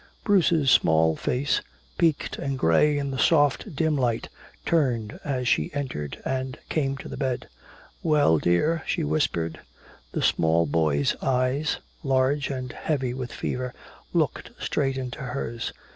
Bruce's small face, peaked and gray in the soft dim light, turned as she entered and came to the bed. "Well, dear?" she whispered. The small boy's eyes, large and heavy with fever, looked straight into hers.